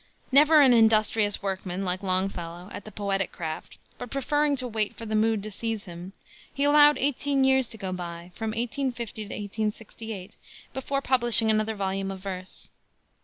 Never an industrious workman, like Longfellow, at the poetic craft, but preferring to wait for the mood to seize him, he allowed eighteen years to go by, from 1850 to 1868, before publishing another volume of verse.